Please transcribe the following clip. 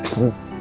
nah udah engerin